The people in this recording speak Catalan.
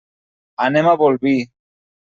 Anem a Bolvir.